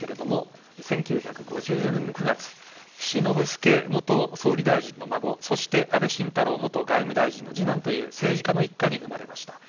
１９５４年の９月岸信介元総理大臣の孫そして安倍晋太郎元外務大臣の次男という政治家一家に生まれました。